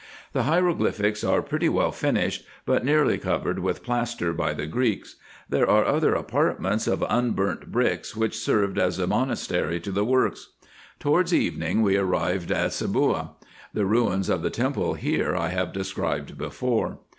The hieroglyphics are pretty well finished, but nearly covered with plaster by the Greeks. There are other apartments, of unburnt bricks, which served as a monastery to the works. Toward evening we arrived at Seboua. The ruins of the temple here I have described before.